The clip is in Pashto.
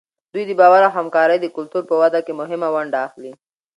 دوی د باور او همکارۍ د کلتور په وده کې مهمه ونډه اخلي.